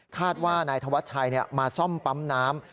คาดว่านายธวัชชัยมาซ่อมปั๊มน้ำ